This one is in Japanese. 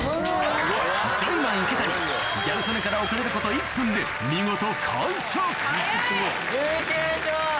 ジョイマン・池谷ギャル曽根から遅れること１分で見事完食１１連勝！